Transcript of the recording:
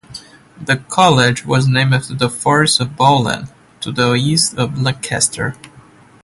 The College was named after the Forest of Bowland, to the east of Lancaster.